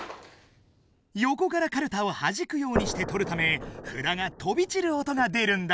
よこからカルタをはじくようにして取るため札がとびちる音が出るんだ。